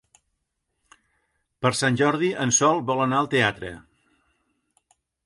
Per Sant Jordi en Sol vol anar al teatre.